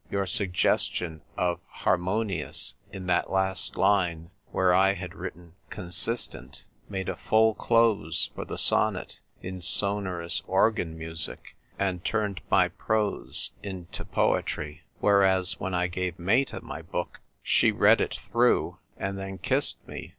Your sug gestion of ' harmonious ' in that last line where I had written ' consistent ' made a full close for the sonnet, in sonorous organ music, and turned my prose into poetry. Whereas, when I gave Meta my book she read it through, and then kissed me.